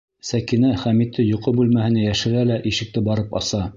Сәкинә Хәмитте йоҡо бүлмәһенә йәшерә лә ишекте барып аса.